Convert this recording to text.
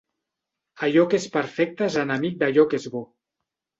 Allò que és perfecte és enemic d'allò que és bo.